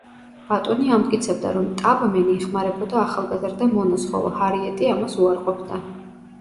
ბატონი ამტკიცებდა, რომ ტაბმენი ეხმარებოდა ახალგაზრდა მონას, ხოლო ჰარიეტი ამას უარყოფდა.